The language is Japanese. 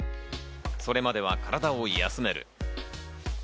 それまでは体を休める。